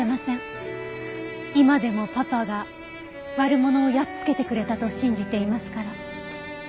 今でもパパが悪者をやっつけてくれたと信じていますから。